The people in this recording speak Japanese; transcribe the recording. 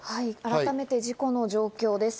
改めて事故の状況です。